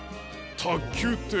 たっきゅうって。